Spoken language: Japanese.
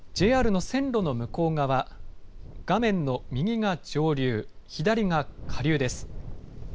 ＪＲの線路の向こう側、画面の右が上流、左が下流です。